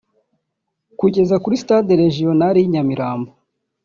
kugeza kuri Stade Regional y’i Nyamirambo